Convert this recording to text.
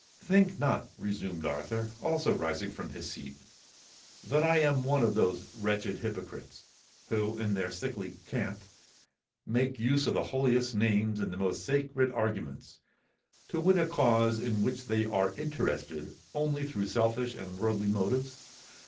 "Think not," resumed Arthur, also rising from his seat, "that I am one of those wretched hypocrites, who, in their sickly cant, make use of the holiest names and the most sacred arguments to win a cause in which they are interested only through selfish and worldly motives.